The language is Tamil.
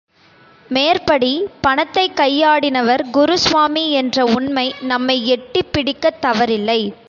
மேற்படி பணத்தைக் கையாடினவர் குருஸ்வாமி என்ற உண்மை நம்மை எட்டிப் பிடிக்கத் தவறவில்லை.